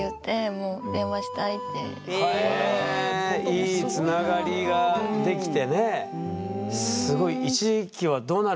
いいつながりができてね。